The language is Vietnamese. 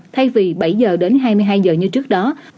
thay vì bảy h đến hai mươi hai h như trước đó